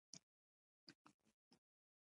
افغانستان د زراعت کوربه دی.